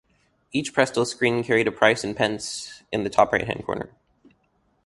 Each Prestel screen carried a price in pence in the top right-hand corner.